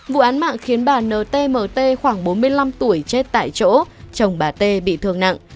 vụ án mạng khiến bà ntmt khoảng bốn mươi năm tuổi chết tại chỗ chồng bà t bị thương nặng